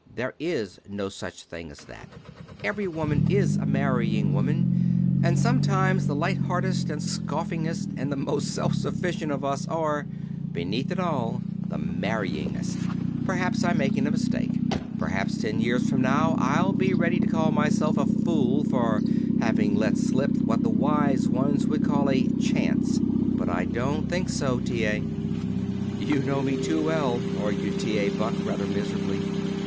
There is no such thing as that. Every woman is a marrying woman, and sometimes the light heartedest, and the scoffingest, and the most self sufficient of us are, beneath it all, the marryingest. Perhaps I'm making a mistake. Perhaps ten years from now I'll be ready to call myself a fool for having let slip what the wise ones would call a 'chance.' But I don't think so, T. A." "You know me too well," argued T. A. Buck rather miserably.